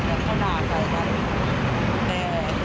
ว่าเขาหนาใครบ้า